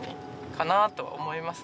かなと思いますね。